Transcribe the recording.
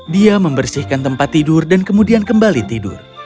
dia membersihkan tempat tidur dan kemudian kembali tidur